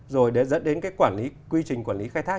rồi để dẫn đến cái quy trình quản lý khai thác